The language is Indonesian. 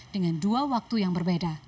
dengan dua waktu yang berbeda